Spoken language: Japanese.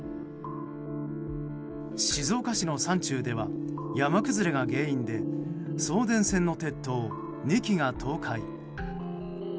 静岡市の山中では山崩れが原因で送電線の鉄塔２基が倒壊。